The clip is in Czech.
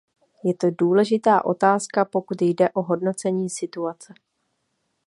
Je to důležitá otázka, pokud jde o hodnocení situace.